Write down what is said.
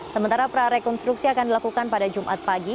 sementara prarekonstruksi akan dilakukan pada jumat pagi